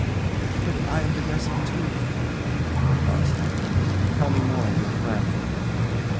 _] But I am digressing, too. CROCKSTEAD. Tell me more of your friend.